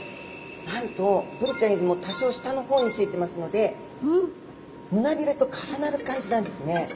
なんとブリちゃんよりも多少下の方についてますので胸びれと重なる感じなんですね。